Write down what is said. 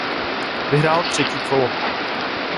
Vyhrál třetí kolo.